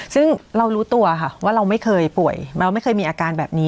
ซึ่งเรารู้ตัวค่ะว่าเราไม่เคยป่วยเราไม่เคยมีอาการแบบนี้